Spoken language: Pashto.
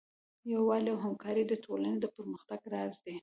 یووالی او همکاري د ټولنې د پرمختګ راز دی.